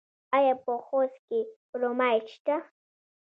آیا په خوست کې کرومایټ شته؟